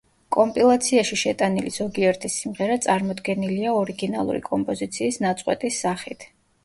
კომპილაციაში შეტანილი ზოგიერთი სიმღერა წარმოდგენილია ორიგინალური კომპოზიციის ნაწყვეტის სახით.